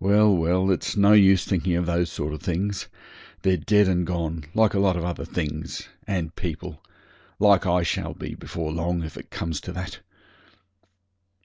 Well, well, it's no use thinking of those sort of things. They're dead and gone, like a lot of other things and people like I shall be before long, if it comes to that.